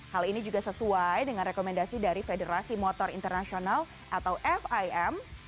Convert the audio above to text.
hal ini juga sesuai dengan rekomendasi dari federasi motor internasional atau fim